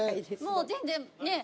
もう全然ねっ。